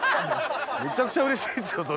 めちゃくちゃうれしいですよ。